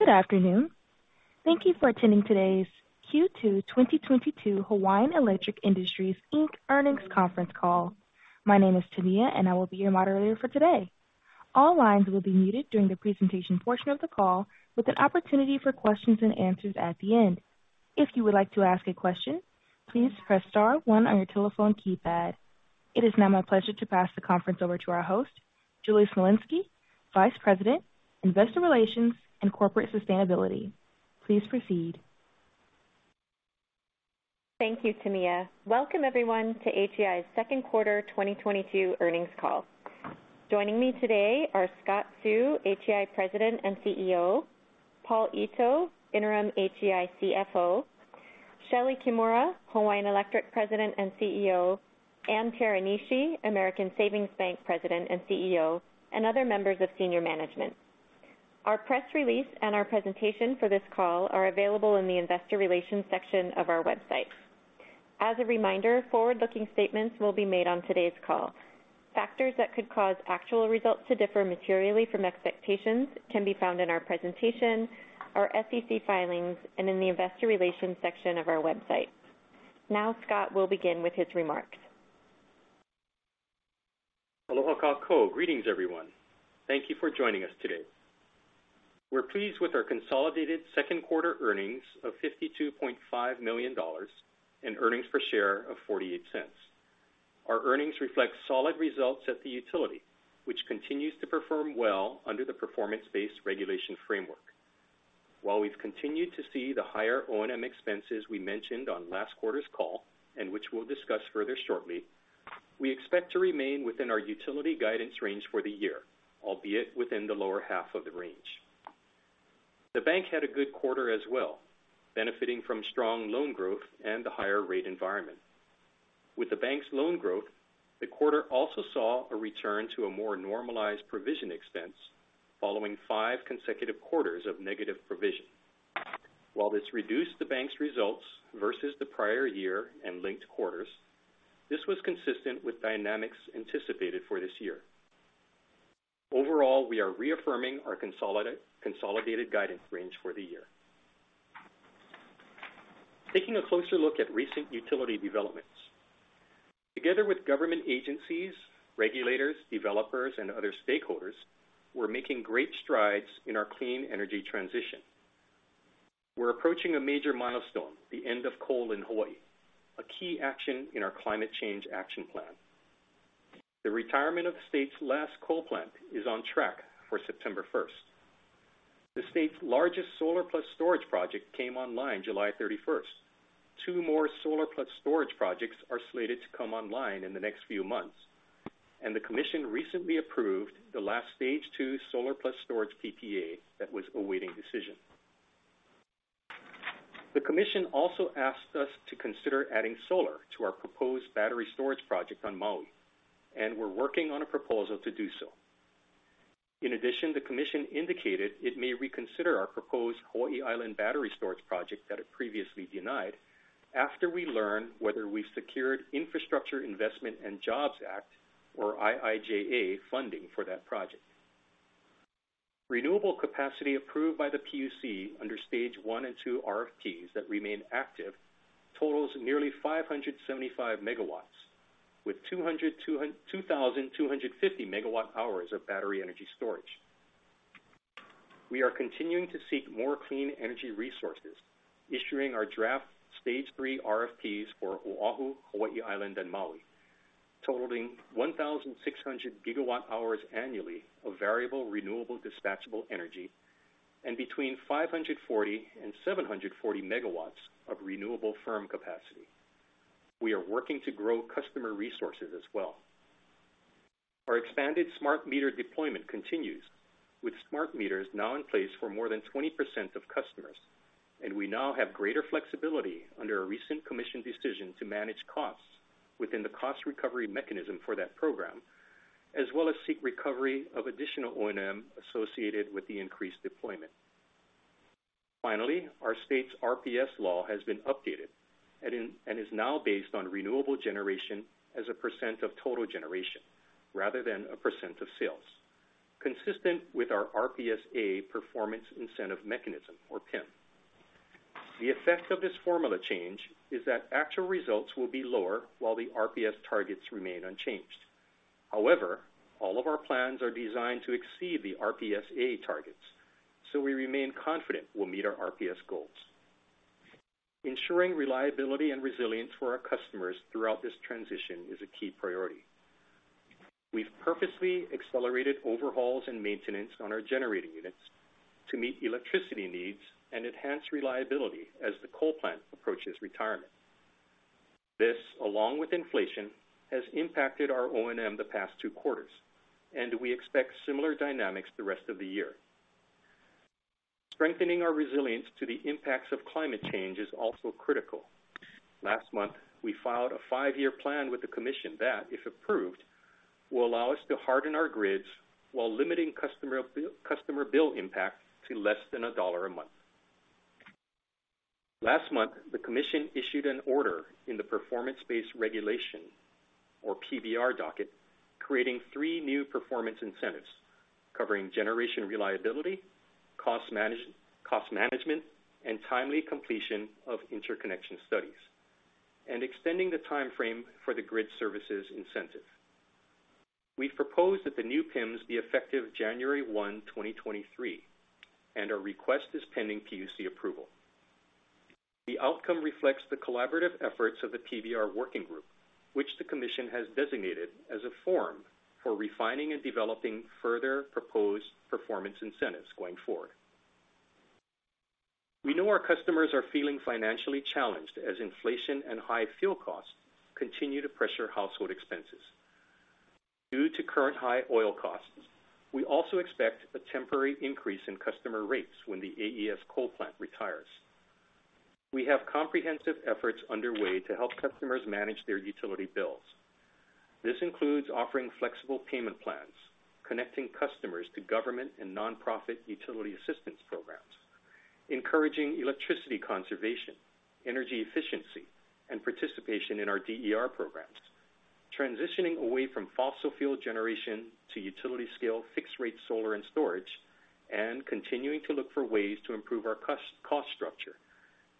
Good afternoon. Thank you for attending today's Q2 2022 Hawaiian Electric Industries, Inc. earnings conference call. My name is Tamiya, and I will be your moderator for today. All lines will be muted during the presentation portion of the call with an opportunity for questions and answers at the end. If you would like to ask a question, please press star one on your telephone keypad. It is now my pleasure to pass the conference over to our host, Julie Smolinski, Vice President, Investor Relations and Corporate Sustainability. Please proceed. Thank you, Tamiya. Welcome everyone to HEI's second quarter 2022 earnings call. Joining me today are Scott Seu, HEI President and CEO, Paul Ito, interim HEI CFO, Shelee Kimura, Hawaiian Electric President and CEO, Ann Teranishi, American Savings Bank President and CEO, and other members of senior management. Our press release and our presentation for this call are available in the investor relations section of our website. As a reminder, forward-looking statements will be made on today's call. Factors that could cause actual results to differ materially from expectations can be found in our presentation, our SEC filings, and in the investor relations section of our website. Now Scott will begin with his remarks. Greetings everyone. Thank you for joining us today. We're pleased with our consolidated second quarter earnings of $52.5 million and earnings per share of $0.48. Our earnings reflect solid results at the utility, which continues to perform well under the performance-based regulation framework. While we've continued to see the higher O&M expenses we mentioned on last quarter's call, and which we'll discuss further shortly, we expect to remain within our utility guidance range for the year, albeit within the lower half of the range. The bank had a good quarter as well, benefiting from strong loan growth and the higher rate environment. With the bank's loan growth, the quarter also saw a return to a more normalized provision expense following five consecutive quarters of negative provision. While this reduced the bank's results versus the prior year and linked quarters, this was consistent with dynamics anticipated for this year. Overall, we are reaffirming our consolidated guidance range for the year. Taking a closer look at recent utility developments. Together with government agencies, regulators, developers, and other stakeholders, we're making great strides in our clean energy transition. We're approaching a major milestone, the end of coal in Hawaii, a key action in our climate change action plan. The retirement of the state's last coal plant is on track for September 1. The state's largest solar-plus storage project came online July 31. Two more solar-plus storage projects are slated to come online in the next few months, and the commission recently approved the last stage two solar-plus storage PPA that was awaiting decision. The commission also asked us to consider adding solar to our proposed battery storage project on Maui, and we're working on a proposal to do so. In addition, the commission indicated it may reconsider our proposed Hawaii Island battery storage project that it previously denied after we learn whether we've secured Infrastructure Investment and Jobs Act, or IIJA, funding for that project. Renewable capacity approved by the PUC under stage one and two RFPs that remain active totals nearly 575 MW, with 202,250 MWh of battery energy storage. We are continuing to seek more clean energy resources, issuing our draft stage three RFPs for Oahu, Hawaii Island, and Maui, totaling 1,600 GWh annually of variable renewable dispatchable energy and between 540 and 740 MW of renewable firm capacity. We are working to grow customer resources as well. Our expanded smart meter deployment continues, with smart meters now in place for more than 20% of customers, and we now have greater flexibility under a recent commission decision to manage costs within the cost recovery mechanism for that program, as well as seek recovery of additional O&M associated with the increased deployment. Finally, our state's RPS law has been updated and is now based on renewable generation as a percent of total generation rather than a percent of sales, consistent with our RPSA performance incentive mechanism, or PIM. The effect of this formula change is that actual results will be lower while the RPS targets remain unchanged. However, all of our plans are designed to exceed the RPSA targets, so we remain confident we'll meet our RPS goals. Ensuring reliability and resilience for our customers throughout this transition is a key priority. We've purposely accelerated overhauls and maintenance on our generating units to meet electricity needs and enhance reliability as the coal plant approaches retirement. This, along with inflation, has impacted our O&M the past two quarters, and we expect similar dynamics the rest of the year. Strengthening our resilience to the impacts of climate change is also critical. Last month, we filed a five-year plan with the commission that, if approved, will allow us to harden our grids while limiting customer bill impact to less than $1 a month. Last month, the commission issued an order in the performance-based regulation or PBR docket, creating three new performance incentives covering generation reliability, cost management, and timely completion of interconnection studies, and extending the timeframe for the grid services incentive. We propose that the new PIMs be effective January 1, 2023, and our request is pending PUC approval. The outcome reflects the collaborative efforts of the PBR working group, which the commission has designated as a forum for refining and developing further proposed performance incentives going forward. We know our customers are feeling financially challenged as inflation and high fuel costs continue to pressure household expenses. Due to current high oil costs, we also expect a temporary increase in customer rates when the AES coal plant retires. We have comprehensive efforts underway to help customers manage their utility bills. This includes offering flexible payment plans, connecting customers to government and nonprofit utility assistance programs, encouraging electricity conservation, energy efficiency, and participation in our DER programs, transitioning away from fossil fuel generation to utility scale fixed rate solar and storage, and continuing to look for ways to improve our cost structure,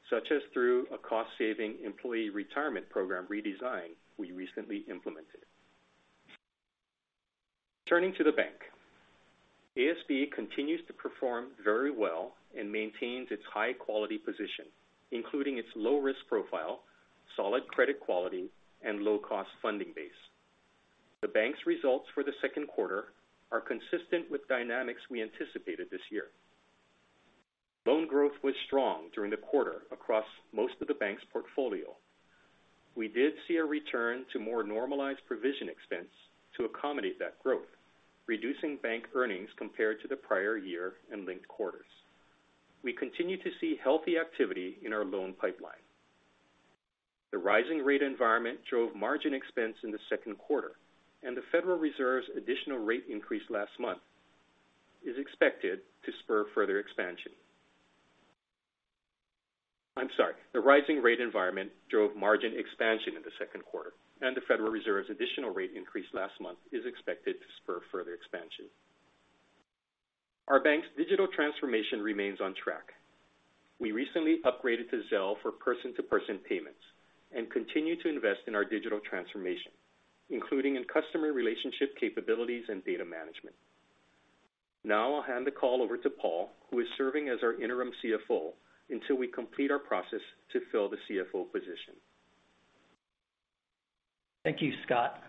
such as through a cost-saving employee retirement program redesign we recently implemented. Turning to the bank. ASB continues to perform very well and maintains its high quality position, including its low risk profile, solid credit quality, and low cost funding base. The bank's results for the second quarter are consistent with dynamics we anticipated this year. Loan growth was strong during the quarter across most of the bank's portfolio. We did see a return to more normalized provision expense to accommodate that growth, reducing bank earnings compared to the prior year and linked quarters. We continue to see healthy activity in our loan pipeline. The rising rate environment drove margin expansion in the second quarter, and the Federal Reserve's additional rate increase last month is expected to spur further expansion. Our bank's digital transformation remains on track. We recently upgraded to Zelle for person-to-person payments and continue to invest in our digital transformation, including in customer relationship capabilities and data management. Now I'll hand the call over to Paul Ito, who is serving as our interim CFO, until we complete our process to fill the CFO position. Thank you, Scott.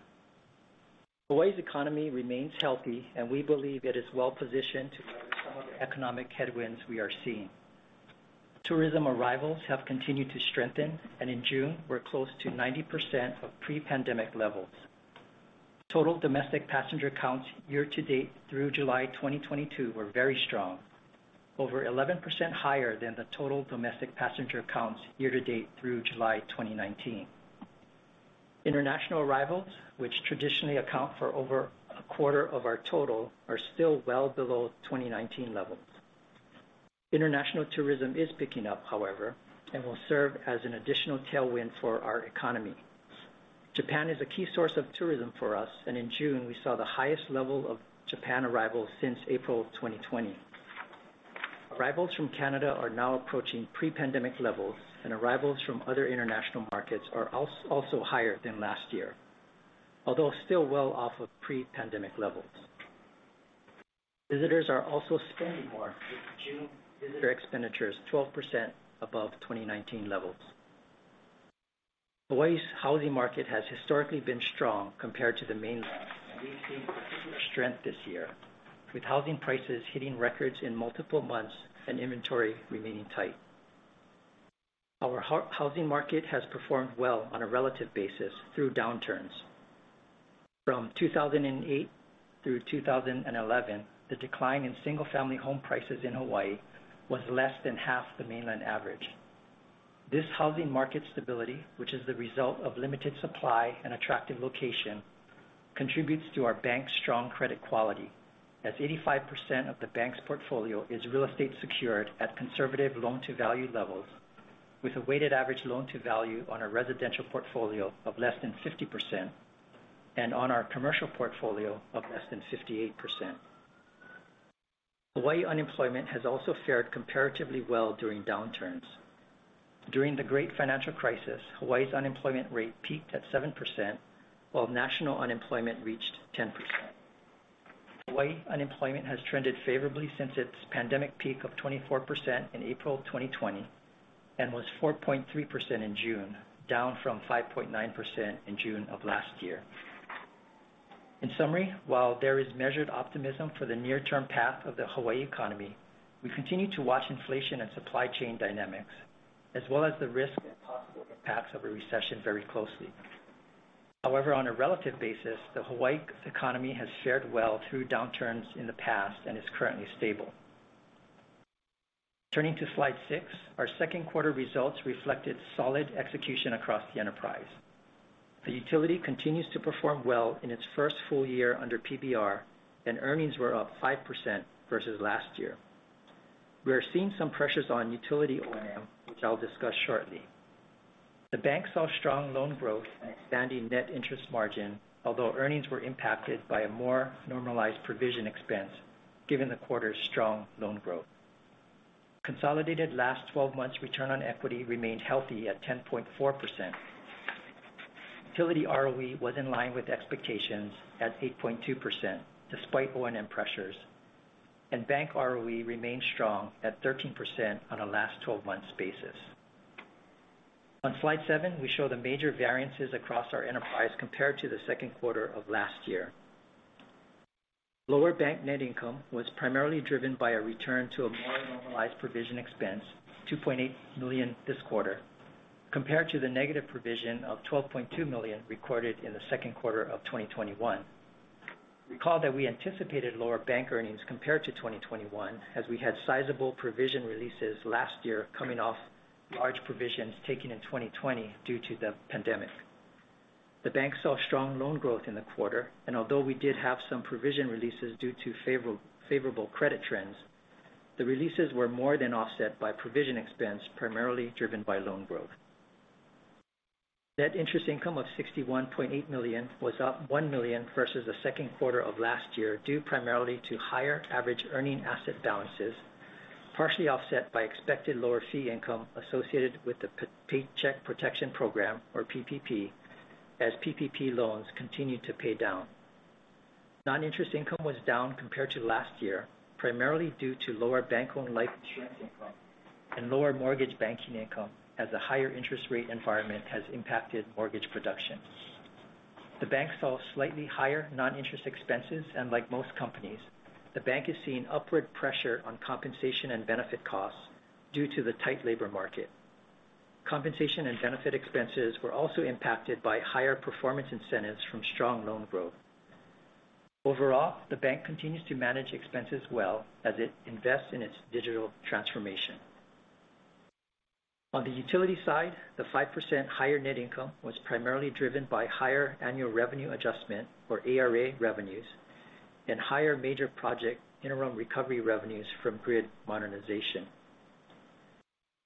Hawaii's economy remains healthy, and we believe it is well positioned to weather some of the economic headwinds we are seeing. Tourism arrivals have continued to strengthen, and in June, we're close to 90% of pre-pandemic levels. Total domestic passenger counts year to date through July 2022 were very strong, over 11% higher than the total domestic passenger counts year to date through July 2019. International arrivals, which traditionally account for over a quarter of our total, are still well below 2019 levels. International tourism is picking up, however, and will serve as an additional tailwind for our economy. Japan is a key source of tourism for us, and in June, we saw the highest level of Japan arrivals since April 2020. Arrivals from Canada are now approaching pre-pandemic levels, and arrivals from other international markets are also higher than last year, although still well off of pre-pandemic levels. Visitors are also spending more, with June visitor expenditures 12% above 2019 levels. Hawaii's housing market has historically been strong compared to the mainland, and we've seen particular strength this year, with housing prices hitting records in multiple months and inventory remaining tight. Our housing market has performed well on a relative basis through downturns. From 2008 through 2011, the decline in single-family home prices in Hawaii was less than half the mainland average. This housing market stability, which is the result of limited supply and attractive location, contributes to our bank's strong credit quality, as 85% of the bank's portfolio is real estate secured at conservative loan to value levels, with a weighted average loan to value on our residential portfolio of less than 50% and on our commercial portfolio of less than 58%. Hawaii unemployment has also fared comparatively well during downturns. During the great financial crisis, Hawaii's unemployment rate peaked at 7%, while national unemployment reached 10%. Hawaii unemployment has trended favorably since its pandemic peak of 24% in April 2020 and was 4.3% in June, down from 5.9% in June of last year. In summary, while there is measured optimism for the near term path of the Hawaii economy, we continue to watch inflation and supply chain dynamics as well as the risk and possible impacts of a recession very closely. However, on a relative basis, the Hawaii economy has fared well through downturns in the past and is currently stable. Turning to slide 6. Our second quarter results reflected solid execution across the enterprise. The utility continues to perform well in its first full year under PBR, and earnings were up 5% versus last year. We are seeing some pressures on utility O&M, which I'll discuss shortly. The bank saw strong loan growth and expanding net interest margin, although earnings were impacted by a more normalized provision expense given the quarter's strong loan growth. Consolidated last 12 months return on equity remained healthy at 10.4%. Utility ROE was in line with expectations at 8.2% despite O&M pressures, and bank ROE remained strong at 13% on a last 12 months basis. On slide 7, we show the major variances across our enterprise compared to the second quarter of last year. Lower bank net income was primarily driven by a return to a more normalized provision expense, $2.8 million this quarter, compared to the negative provision of $12.2 million recorded in the second quarter of 2021. Recall that we anticipated lower bank earnings compared to 2021, as we had sizable provision releases last year coming off large provisions taken in 2020 due to the pandemic. The bank saw strong loan growth in the quarter, and although we did have some provision releases due to favorable credit trends, the releases were more than offset by provision expense, primarily driven by loan growth. Net interest income of $61.8 million was up $1 million versus the second quarter of last year, due primarily to higher average earning asset balances, partially offset by expected lower fee income associated with the Paycheck Protection Program, or PPP, as PPP loans continued to pay down. Non-interest income was down compared to last year, primarily due to lower bank-owned life insurance income and lower mortgage banking income, as the higher interest rate environment has impacted mortgage production. The bank saw slightly higher non-interest expenses, and like most companies, the bank is seeing upward pressure on compensation and benefit costs due to the tight labor market. Compensation and benefit expenses were also impacted by higher performance incentives from strong loan growth. Overall, the bank continues to manage expenses well as it invests in its digital transformation. On the utility side, the 5% higher net income was primarily driven by higher annual revenue adjustment, or ARA revenues, and higher major project interim recovery revenues from grid modernization.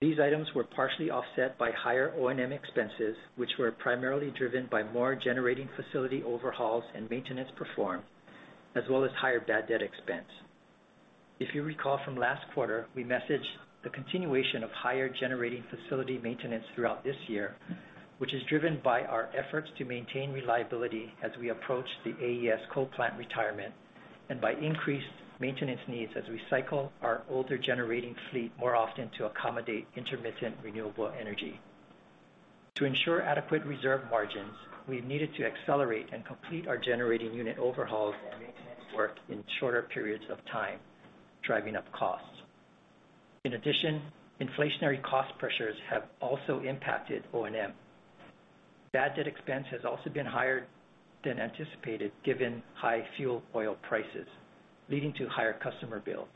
These items were partially offset by higher O&M expenses, which were primarily driven by more generating facility overhauls and maintenance performed, as well as higher bad debt expense. If you recall from last quarter, we messaged the continuation of higher generating facility maintenance throughout this year, which is driven by our efforts to maintain reliability as we approach the AES coal plant retirement and by increased maintenance needs as we cycle our older generating fleet more often to accommodate intermittent renewable energy. To ensure adequate reserve margins, we've needed to accelerate and complete our generating unit overhauls and maintenance work in shorter periods of time, driving up costs. In addition, inflationary cost pressures have also impacted O&M. Bad debt expense has also been higher than anticipated given high fuel oil prices, leading to higher customer bills.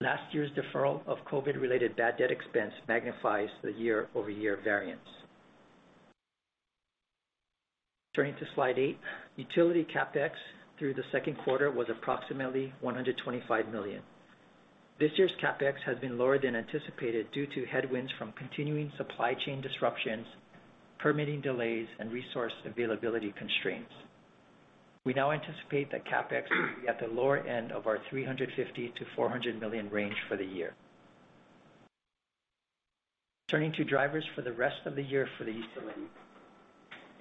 Last year's deferral of COVID-related bad debt expense magnifies the year-over-year variance. Turning to slide eight. Utility CapEx through the second quarter was approximately $125 million. This year's CapEx has been lower than anticipated due to headwinds from continuing supply chain disruptions, permitting delays, and resource availability constraints. We now anticipate that CapEx will be at the lower end of our $350 million-$400 million range for the year. Turning to drivers for the rest of the year for the utility.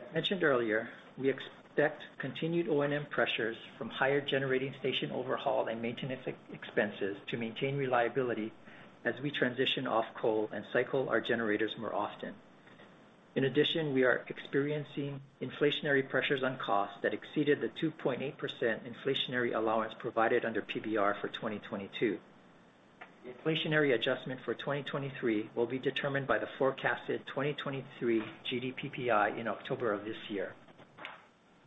As mentioned earlier, we expect continued O&M pressures from higher generating station overhaul and maintenance expenses to maintain reliability as we transition off coal and cycle our generators more often. In addition, we are experiencing inflationary pressures on costs that exceeded the 2.8% inflationary allowance provided under PBR for 2022. The inflationary adjustment for 2023 will be determined by the forecasted 2023 GDPPI in October of this year.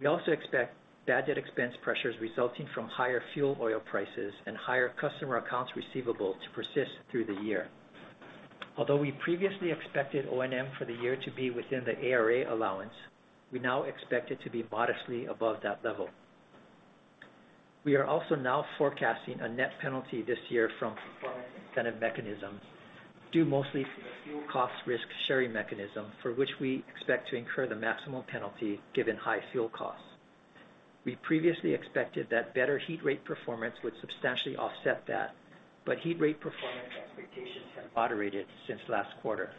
We also expect bad debt expense pressures resulting from higher fuel oil prices and higher customer accounts receivable to persist through the year. Although we previously expected O&M for the year to be within the ARA allowance, we now expect it to be modestly above that level. We are also now forecasting a net penalty this year from compliance incentive mechanisms, due mostly to the fuel cost risk-sharing mechanism, for which we expect to incur the maximum penalty given high fuel costs. We previously expected that better heat rate performance would substantially offset that, but heat rate performance expectations have moderated since last quarter.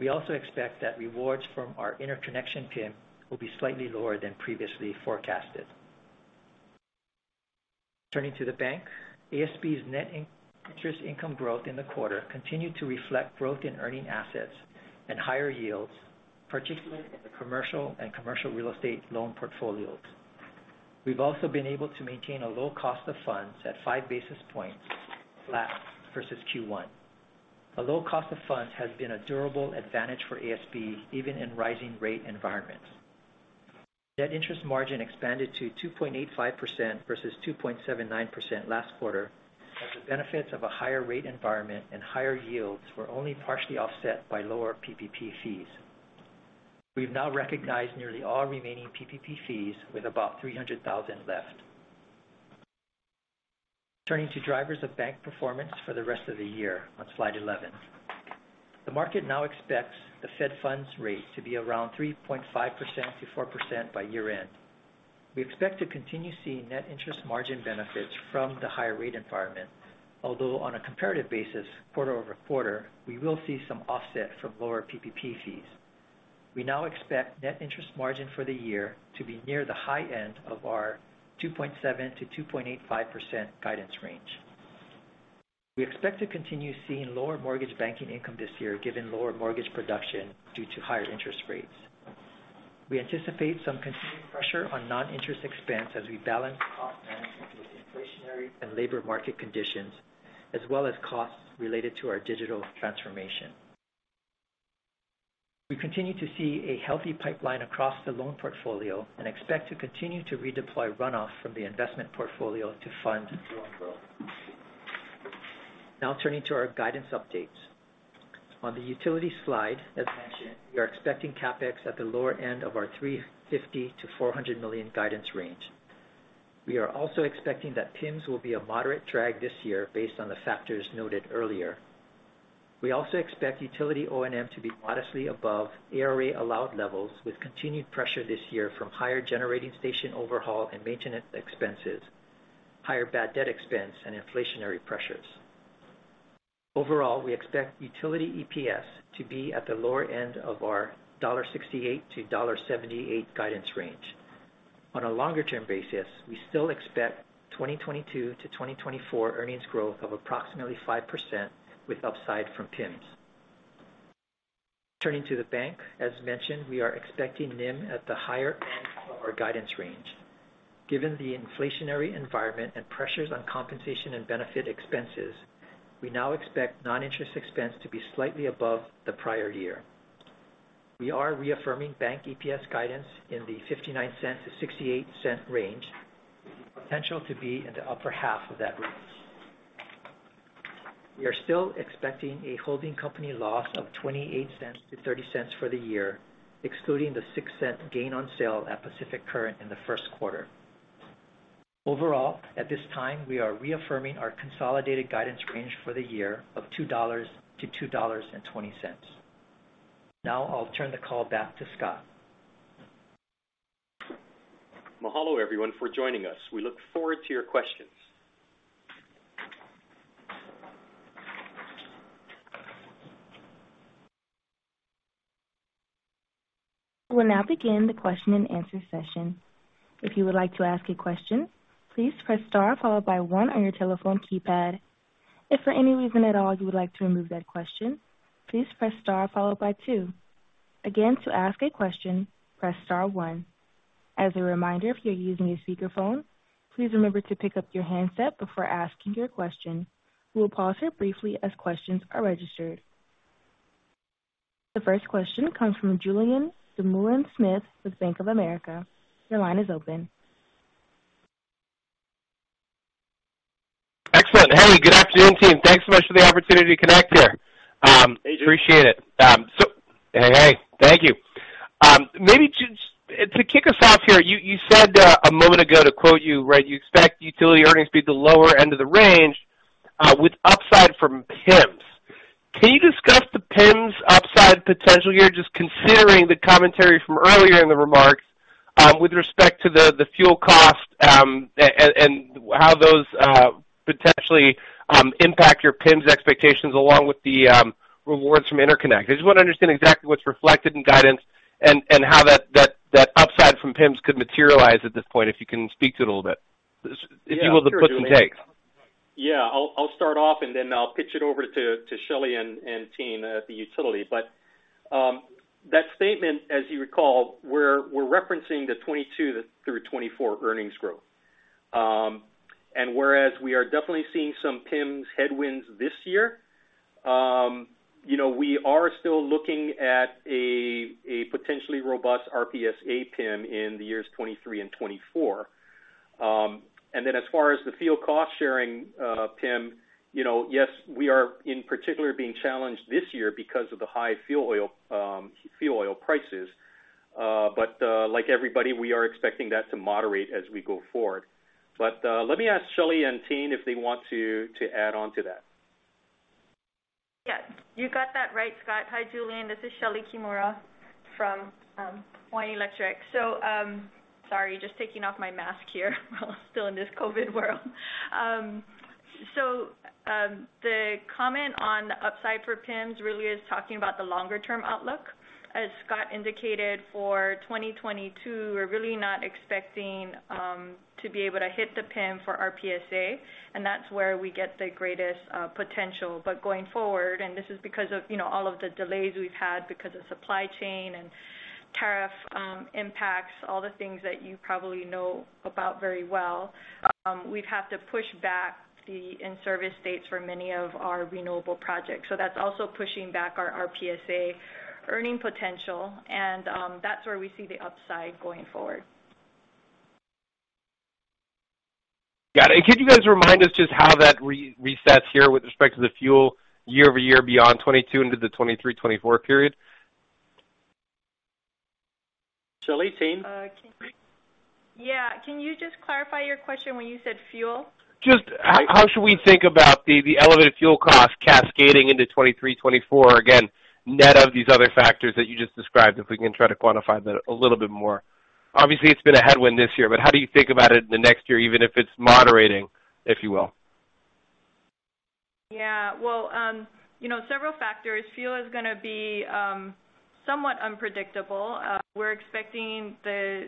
We also expect that rewards from our interconnection PIM will be slightly lower than previously forecasted. Turning to the bank. ASB's net interest income growth in the quarter continued to reflect growth in earning assets and higher yields, particularly in the commercial and commercial real estate loan portfolios. We've also been able to maintain a low cost of funds at five basis points flat versus Q1. A low cost of funds has been a durable advantage for ASB even in rising rate environments. Net interest margin expanded to 2.85% versus 2.79% last quarter, as the benefits of a higher rate environment and higher yields were only partially offset by lower PPP fees. We've now recognized nearly all remaining PPP fees with about $300,000 left. Turning to drivers of bank performance for the rest of the year on slide 11. The market now expects the Fed funds rate to be around 3.5%-4% by year-end. We expect to continue seeing net interest margin benefits from the higher rate environment, although on a comparative basis, quarter-over-quarter, we will see some offset from lower PPP fees. We now expect net interest margin for the year to be near the high end of our 2.7%-2.85% guidance range. We expect to continue seeing lower mortgage banking income this year, given lower mortgage production due to higher interest rates. We anticipate some continued pressure on non-interest expense as we balance cost management with inflationary and labor market conditions, as well as costs related to our digital transformation. We continue to see a healthy pipeline across the loan portfolio and expect to continue to redeploy runoff from the investment portfolio to fund loan growth. Now turning to our guidance updates. On the utility slide, as mentioned, we are expecting CapEx at the lower end of our $350 million-$400 million guidance range. We are also expecting that PIMs will be a moderate drag this year based on the factors noted earlier. We also expect utility O&M to be modestly above ARA allowed levels, with continued pressure this year from higher generating station overhaul and maintenance expenses, higher bad debt expense, and inflationary pressures. Overall, we expect utility EPS to be at the lower end of our $68-$78 guidance range. On a longer-term basis, we still expect 2022-2024 earnings growth of approximately 5% with upside from PIMs. Turning to the bank. As mentioned, we are expecting NIM at the higher end of our guidance range. Given the inflationary environment and pressures on compensation and benefit expenses, we now expect non-interest expense to be slightly above the prior year. We are reaffirming bank EPS guidance in the $0.59-$0.68 range, with the potential to be in the upper half of that range. We are still expecting a holding company loss of $0.28-$0.30 for the year, excluding the $0.06 gain on sale at Pacific Current in the first quarter. Overall, at this time, we are reaffirming our consolidated guidance range for the year of $2.00-$2.20. Now I'll turn the call back to Scott. Mahalo, everyone, for joining us. We look forward to your questions. We'll now begin the question-and-answer session. If you would like to ask a question, please press star followed by one on your telephone keypad. If for any reason at all you would like to remove that question, please press star followed by two. Again, to ask a question, press star one. As a reminder, if you're using a speakerphone, please remember to pick up your handset before asking your question. We'll pause here briefly as questions are registered. The first question comes from Julien Dumoulin-Smith with Bank of America. Your line is open. Excellent. Hey, good afternoon, team. Thanks so much for the opportunity to connect here. Hey, Julien. Appreciate it. Hey, thank you. Maybe to kick us off here, you said a moment ago, to quote you, right, you expect utility earnings to be the lower end of the range, with upside from PIMs. Can you discuss the PIMs upside potential here, just considering the commentary from earlier in the remarks, with respect to the fuel cost, and how those potentially impact your PIMs expectations, along with the rewards from interconnect? I just want to understand exactly what's reflected in guidance and how that upside from PIMs could materialize at this point, if you can speak to it a little bit. Yeah, sure, Julien. If you will, the puts and takes. Yeah. I'll start off, and then I'll pitch it over to Shelee and Tayne at the utility. That statement, as you recall, we're referencing the 2022 through 2024 earnings growth. Whereas we are definitely seeing some PIMs headwinds this year, you know, we are still looking at a potentially robust RPSA PIM in the years 2023 and 2024. As far as the fuel cost sharing PIM, you know, yes, we are in particular being challenged this year because of the high fuel oil prices. Like everybody, we are expecting that to moderate as we go forward. Let me ask Shelee and Tayne if they want to add on to that. Yes, you got that right, Scott. Hi, Julien, this is Shelee Kimura from Hawaiian Electric. Sorry, just taking off my mask here while still in this COVID world. The comment on the upside for PIMs really is talking about the longer-term outlook. As Scott indicated, for 2022, we're really not expecting to be able to hit the PIM for RPSA, and that's where we get the greatest potential. Going forward, this is because of, you know, all of the delays we've had because of supply chain and tariff impacts, all the things that you probably know about very well, we've had to push back the in-service dates for many of our renewable projects. That's also pushing back our RPSA earning potential. That's where we see the upside going forward. Got it. Could you guys remind us just how that resets here with respect to the fuel year-over-year beyond 2022 into the 2023, 2024 period? Tayne? Yeah. Can you just clarify your question when you said fuel? Just how should we think about the elevated fuel costs cascading into 2023, 2024, again, net of these other factors that you just described, if we can try to quantify that a little bit more. Obviously, it's been a headwind this year, but how do you think about it in the next year, even if it's moderating, if you will? Yeah. Well, you know, several factors. Fuel is gonna be somewhat unpredictable. We're expecting the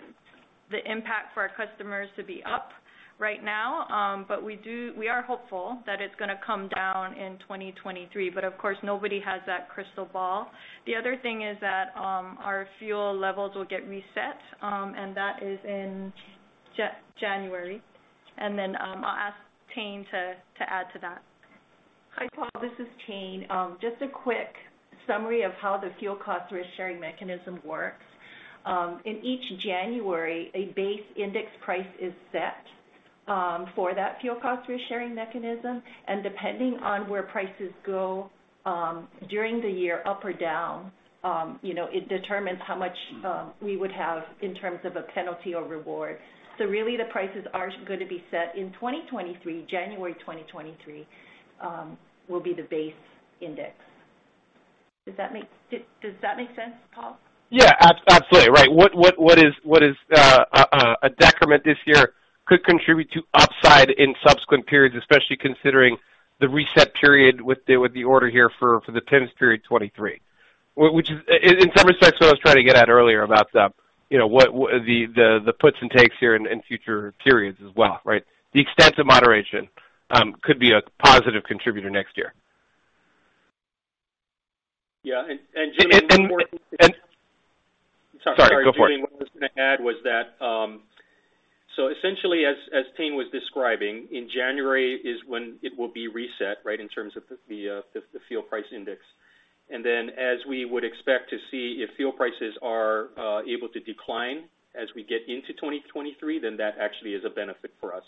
impact for our customers to be up right now. We are hopeful that it's gonna come down in 2023. Of course, nobody has that crystal ball. The other thing is that our fuel levels will get reset, and that is in January. I'll ask Tayne to add to that. Hi, Paul, this is Tayne. Just a quick summary of how the fuel cost risk-sharing mechanism works. In each January, a base index price is set for that fuel cost risk-sharing mechanism. Depending on where prices go during the year, up or down, you know, it determines how much we would have in terms of a penalty or reward. Really the prices are going to be set in 2023. January 2023 will be the base index. Does that make sense, Paul? Yeah. Absolutely. Right. What is a decrement this year could contribute to upside in subsequent periods, especially considering the reset period with the order here for the PIMs period 2023. Which is in some respects what I was trying to get at earlier about the you know what the puts and takes here in future periods as well, right? The extent of moderation could be a positive contributor next year. Yeah. Julian- And, and- Sorry. Sorry, go for it. What I was gonna add was that, essentially as Tayne was describing, in January is when it will be reset, right, in terms of the fuel price index. Then as we would expect to see if fuel prices are able to decline as we get into 2023, then that actually is a benefit for us.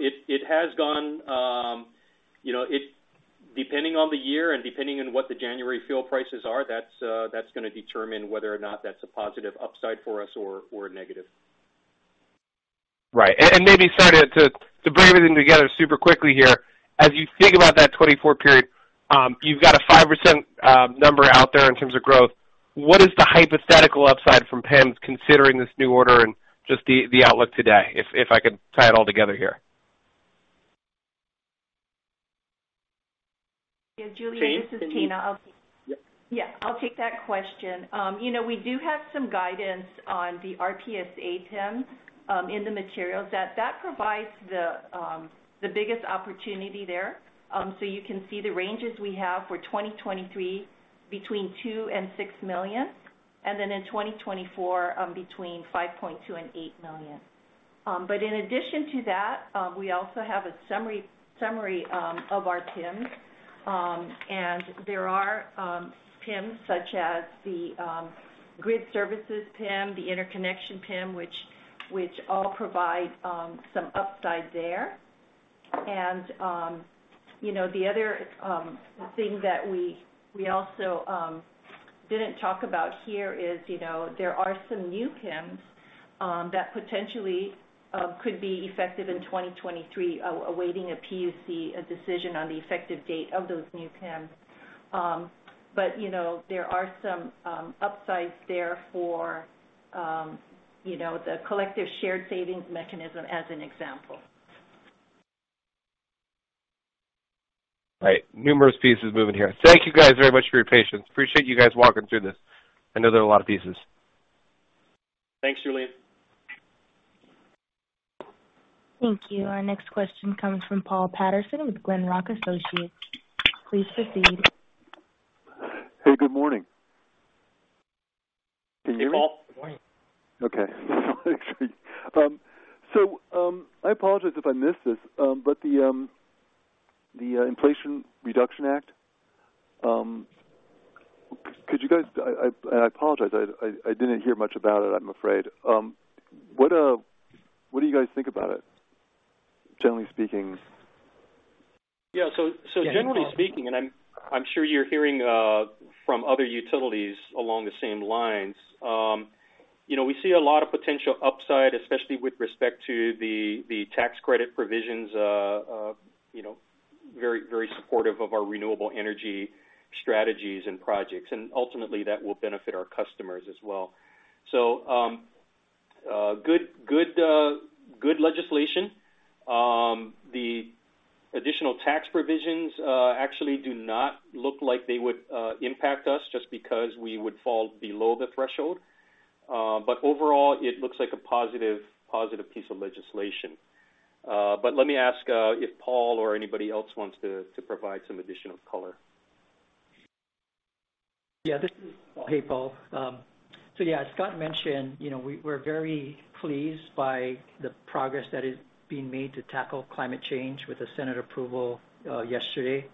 It has gone, you know. Depending on the year and depending on what the January fuel prices are, that's gonna determine whether or not that's a positive upside for us or a negative. Right. Maybe starting to bring everything together super quickly here. As you think about that 2024 period, you've got a 5% number out there in terms of growth. What is the hypothetical upside from PIMs considering this new order and just the outlook today, if I could tie it all together here? Yeah. Julien Dumoulin-Smith, this is Tayne Sekimura. I'll- Tayne? Yeah, I'll take that question. You know, we do have some guidance on the RPSA PIMs in the materials. That provides the biggest opportunity there. You can see the ranges we have for 2023 between $2 million and $6 million, and then in 2024, between $5.2 million and $8 million. In addition to that, we also have a summary of our PIMs. There are PIMs such as the grid services PIM, the interconnection PIM, which all provide some upside there. You know, the other thing that we also didn't talk about here is, you know, there are some new PIMs that potentially could be effective in 2023, awaiting a PUC decision on the effective date of those new PIMs. You know, there are some upsides there for, you know, the collective shared savings mechanism as an example. Right. Numerous pieces moving here. Thank you guys very much for your patience. Appreciate you guys walking through this. I know there are a lot of pieces. Thanks, Julien. Thank you. Our next question comes from Paul Patterson with Glenrock Associates. Please proceed. Hey, good morning. Can you hear me? Hey, Paul. Good morning. Okay. I apologize if I missed this, but the Inflation Reduction Act, and I apologize. I didn't hear much about it, I'm afraid. What do you guys think about it, generally speaking? Yeah. Generally speaking, and I'm sure you're hearing from other utilities along the same lines, you know, we see a lot of potential upside, especially with respect to the tax credit provisions, you know, very supportive of our renewable energy strategies and projects, and ultimately, that will benefit our customers as well. Good legislation. The additional tax provisions actually do not look like they would impact us just because we would fall below the threshold. Overall, it looks like a positive piece of legislation. Let me ask if Paul or anybody else wants to provide some additional color. Yeah. This is Paul. Hey, Paul. As Scott mentioned, you know, we're very pleased by the progress that is being made to tackle climate change with the Senate approval yesterday.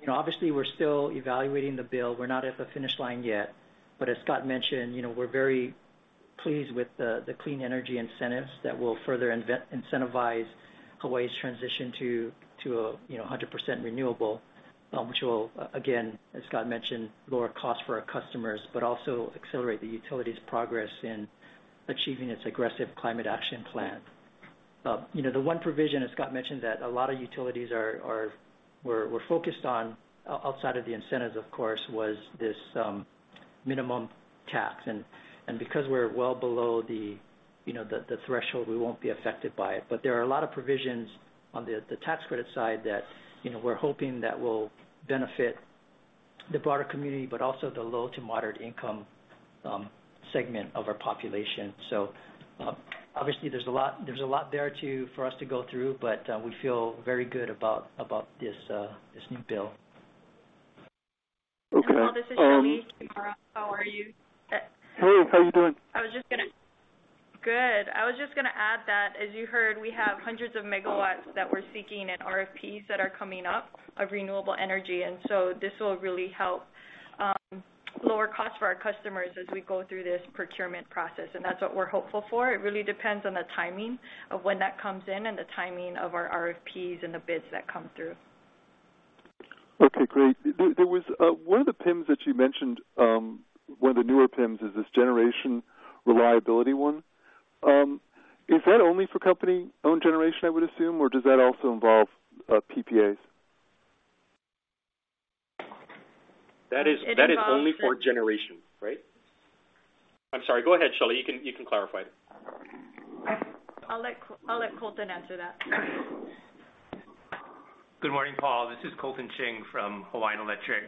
You know, obviously, we're still evaluating the bill. We're not at the finish line yet, but as Scott mentioned, you know, we're very pleased with the clean energy incentives that will further incentivize Hawaii's transition to, you know, 100% renewable, which will again, as Scott mentioned, lower costs for our customers, but also accelerate the utility's progress in achieving its aggressive climate action plan. You know, the one provision, as Scott mentioned, that a lot of utilities were focused on outside of the incentives of course, was this minimum tax. Because we're well below the, you know, the threshold, we won't be affected by it. There are a lot of provisions on the tax credit side that, you know, we're hoping that will benefit the broader community, but also the low to moderate income segment of our population. Obviously there's a lot there for us to go through, but we feel very good about this new bill. Okay. This is Shelee. How are you? Hey, how you doing? Good. I was just gonna add that as you heard, we have hundreds of megawatts that we're seeking in RFPs that are coming up of renewable energy, and so this will really help, lower costs for our customers as we go through this procurement process, and that's what we're hopeful for. It really depends on the timing of when that comes in and the timing of our RFPs and the bids that come through. Okay, great. There was one of the PIMs that you mentioned, one of the newer PIMs is this generation reliability one. Is that only for company-owned generation, I would assume, or does that also involve PPAs? That is- It involves the- That is only for generation, right? I'm sorry. Go ahead, Shelee. You can clarify. I'll let Colton answer that. Good morning, Paul. This is Colton Ching from Hawaiian Electric.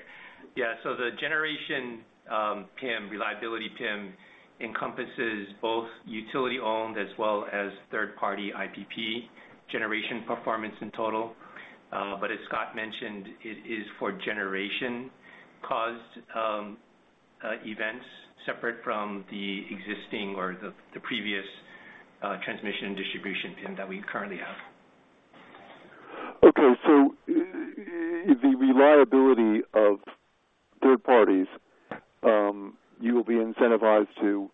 Yeah, so the generation PIM, reliability PIM encompasses both utility-owned as well as third-party IPP generation performance in total. As Scott mentioned, it is for generation caused events separate from the existing or the previous transmission and distribution PIM that we currently have. Okay. Reliability of third parties, you'll be incentivized to,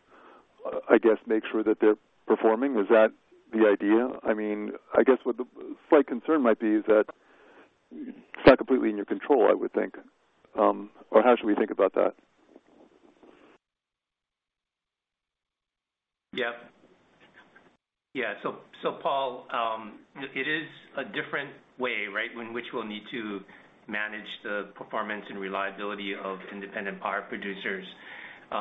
I guess, make sure that they're performing. Was that the idea? I mean, I guess what the slight concern might be is that it's not completely in your control, I would think. Or how should we think about that? Paul, it is a different way, right? In which we'll need to manage the performance and reliability of independent power producers. You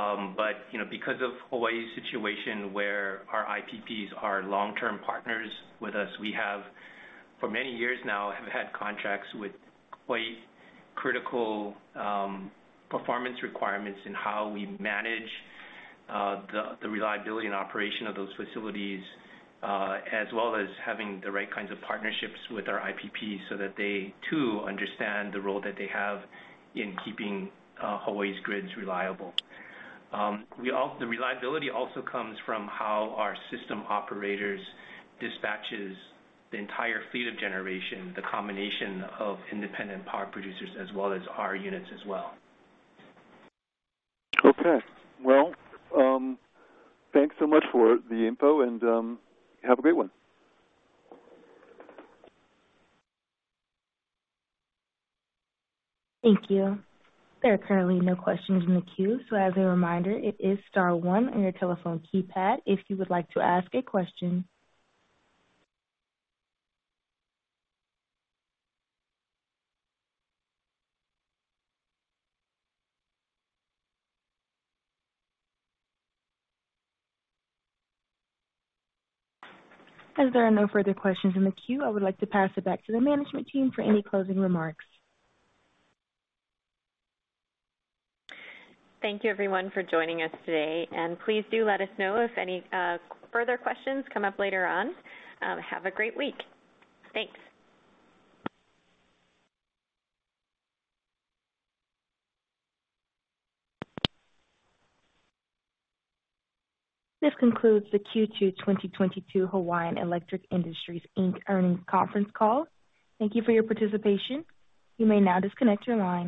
know, because of Hawaii's situation where our IPPs are long-term partners with us, we have, for many years now, had contracts with quite critical performance requirements in how we manage the reliability and operation of those facilities as well as having the right kinds of partnerships with our IPPs so that they too understand the role that they have in keeping Hawaii's grids reliable. The reliability also comes from how our system operators dispatches the entire fleet of generation, the combination of independent power producers as well as our units as well. Okay. Well, thanks so much for the info and have a great one. Thank you. There are currently no questions in the queue, so as a reminder, it is star one on your telephone keypad, if you would like to ask a question. As there are no further questions in the queue, I would like to pass it back to the management team for any closing remarks. Thank you everyone for joining us today, and please do let us know if any further questions come up later on. Have a great week. Thanks. This concludes the Q2 2022 Hawaiian Electric Industries, Inc. earnings conference call. Thank you for your participation. You may now disconnect your line.